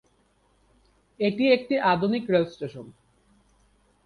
এটি একটি আধুনিক রেল স্টেশন।